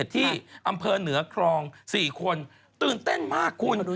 ที่อำเภอเหนือครอง๔คนตื่นเต้นมากคุณ